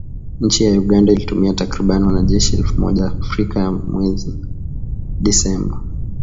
Nchi ya Uganda ilituma takribani wanajeshi elfu moja Afrika ya kati mwezi Disemba.